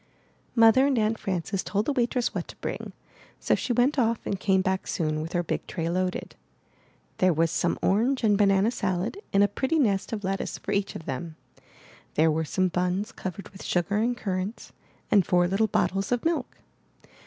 Mother and Aunt Frances told the waitress what to bring; so she went off and came back soon with her big tray loaded. There was some orange and banana salad in a pretty nest of lettuce for each of them. There were some buns covered with sugar and currants, and four little bottles of milk.